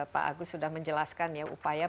pak agus sudah menjelaskan ya upaya